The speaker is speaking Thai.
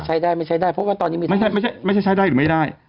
ใช้ได้ไม่ใช้ได้เพราะว่าตอนนี้ไม่ได้ไม่ใช่ใช้ได้หรือไม่ได้